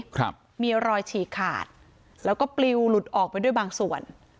ครับมีรอยฉีกขาดแล้วก็ปลิวหลุดออกไปด้วยบางส่วน